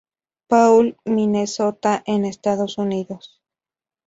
Paul, Minnesota en Estados Unidos.